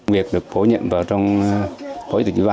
việc được phổ nhiệm vào trong phối tịch ủy ban